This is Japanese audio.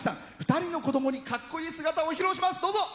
２人の子供にかっこいい姿を披露します。